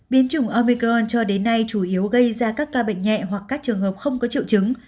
biến chủng omicron cho đến nay chủ yếu gây ra các ca bệnh nhẹ hoặc các trường hợp không có triệu chứng